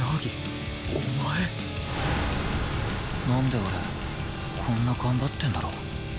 なんで俺こんな頑張ってんだろ？